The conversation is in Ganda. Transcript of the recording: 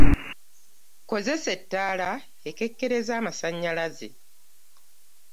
Kozesa ettaala ekekkereza amasannyalaze.